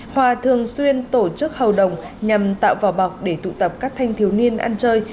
hòa thường xuyên tổ chức hầu đồng nhằm tạo vỏ bọc để tụ tập các thanh thiếu niên ăn chơi